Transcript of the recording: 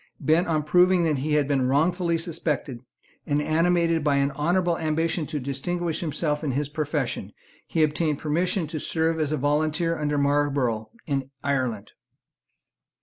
Bent on proving that he had been wrongfully suspected, and animated by an honourable ambition to distinguish himself in his profession, he obtained permission to serve as a volunteer under Marlborough in Ireland.